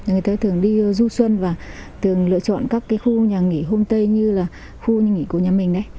người ta thường đi du xuân và thường lựa chọn các khu nhà nghỉ homestay như là khu nhà nghỉ của nhà mình đấy